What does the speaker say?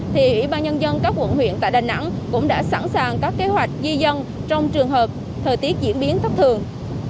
thì ủy ban nhân dân các quận huyện tại đà nẵng cũng đã sẵn sàng các kế hoạch di dân trong trường hợp thời tiết diễn biến thất thường